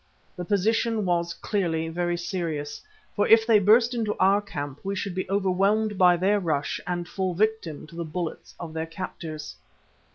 The position was clearly very serious, for if they burst into our camp, we should be overwhelmed by their rush and fall victims to the bullets of their captors.